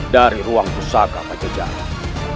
dari ruang pusaka pada jalan